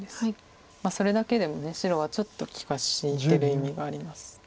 それだけでも白はちょっと利かしてる意味があります。